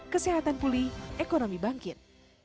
kesehatan pulih ekonomi bangkit